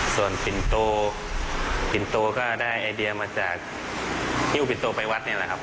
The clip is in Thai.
ส่วนปินโตปินโตก็ได้ไอเดียมาจากฮิ้วปินโตไปวัดนี่แหละครับ